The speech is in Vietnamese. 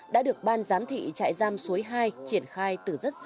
đã được ban giám thị trại giam suối hai triển khai từ rất sớm